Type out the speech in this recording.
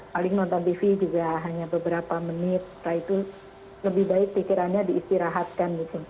paling nonton tv juga hanya beberapa menit setelah itu lebih baik pikirannya diistirahatkan gitu